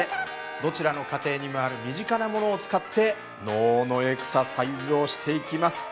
どちらの家庭にもある身近なものを使って脳のエクササイズをしていきます。